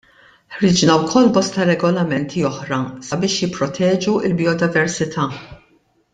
Ħriġna wkoll bosta regolamenti oħra sabiex jipproteġu l-biodiversità.